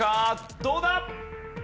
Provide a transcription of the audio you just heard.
どうだ？